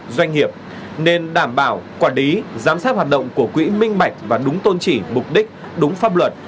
doanh nghiệp nên đảm bảo quản lý giám sát hoạt động của quỹ minh mạch và đúng tôn trị mục đích đúng pháp luật